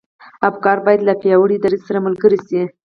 افکار بايد له پياوړي دريځ سره ملګري شي.